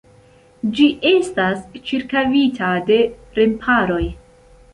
Ĝi estas ĉirkaŭita de remparoj.